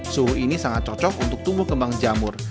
suhu ini sangat cocok untuk tumbuh kembang jamur